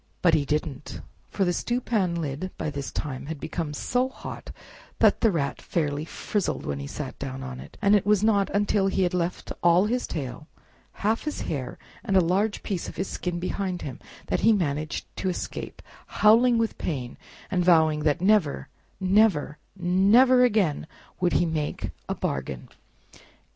But he didn't! for the stewpan lid by this time had become so hot that the Rat fairly frizzled when he sat down on it; and it was not until he had left all his tail, half his hair, and a large piece of his skin behind him, that he managed to escape, howling with pain, and vowing that never, never, never again would he make a bargain!